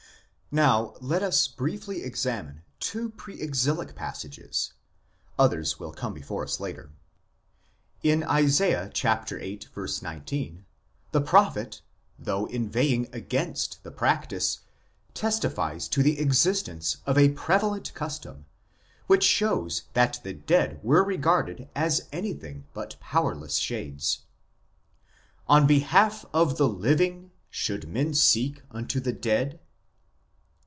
Now let us briefly examine two pre exilic passages (others will come before us later). In Isa. viii. 19 l the prophet, though inveighing against the practice, testifies to the existence of a prevalent custom which shows that the dead were regarded as anything but powerless shades :" On behalf of the living (should men seek) unto the dead